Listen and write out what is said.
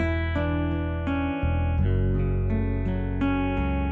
aku mau ke rumah